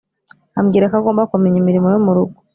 amubwira ko agomba kumenya imirimo yo mu rugo